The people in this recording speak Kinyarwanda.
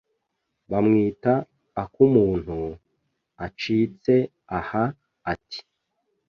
bamwita Akumuntu; acitse aha, ati: